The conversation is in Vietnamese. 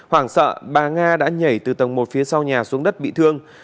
hoảng sợ bà nga đã nhảy từ tầng một phía sau nhà xuống đất bị thương